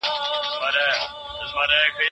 رڼا په تدریجي ډول د تیارې لښکر مات کړ.